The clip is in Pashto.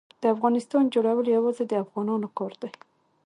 د افغانستان جوړول یوازې د افغانانو کار دی.